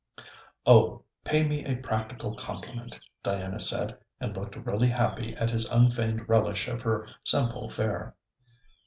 'Oh! pay me a practical compliment,' Diana said, and looked really happy at his unfeigned relish of her simple fare.